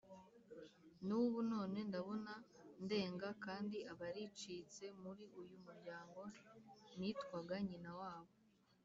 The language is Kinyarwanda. n’ubu None ndabona ndenga Kandi abaricitse Muri uyu muryango Nitwaga nyina wabo!